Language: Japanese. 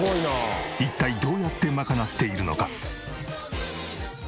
一体どうやって賄っているのか？